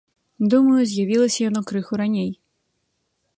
Думаю, з'явілася яно крыху раней.